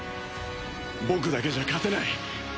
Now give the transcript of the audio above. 僕だけじゃ勝てない。